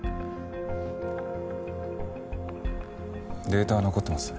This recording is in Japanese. データは残ってます。